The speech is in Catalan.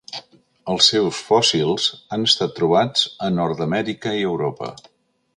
Els seus fòssils han estat trobats a Nord-amèrica i Europa.